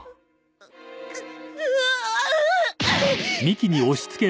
あううっ